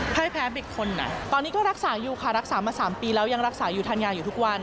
ให้แพ้เด็กคนไหนตอนนี้ก็รักษาอยู่ค่ะรักษามา๓ปีแล้วยังรักษาอยู่ทานยาอยู่ทุกวัน